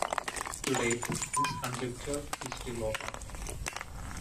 To date, this conjecture is still open.